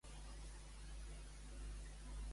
Em pots fer un favor i trucar a l'avi?